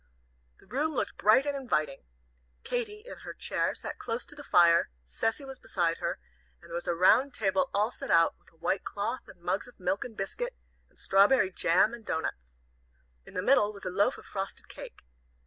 The room looked bright and inviting. Katy, in her chair, sat close to the fire, Cecy was beside her, and there was a round table all set out with a white cloth and mugs of milk and biscuit, and strawberry Jam and doughnuts. In the middle was a loaf of frosted cake.